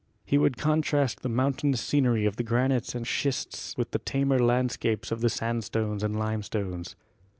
He would contrast the mountainous scenery of the granites and schists with the tamer land scapes of the sandstones and limestones.